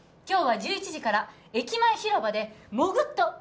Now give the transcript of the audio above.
今日は１１時から駅前広場で「モグっと！